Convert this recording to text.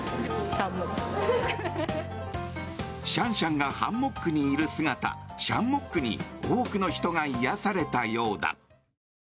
シャンシャンがハンモックにいる姿シャンモックに多くの人が癒やされたようだ。